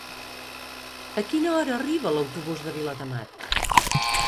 A quina hora arriba l'autobús de Viladamat?